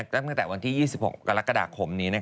ตั้งแต่วันที่๒๖กรกฎาคมนี้